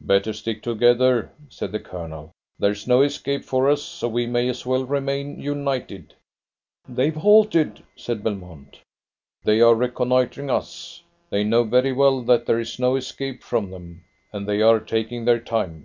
"Better stick together," said the Colonel. "There's no escape for us, so we may as well remain united." "They've halted," said Belmont. "They are reconnoitring us. They know very well that there is no escape from them, and they are taking their time.